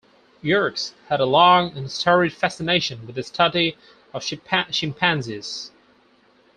Yerkes had a long and storied fascination with the study of chimpanzees.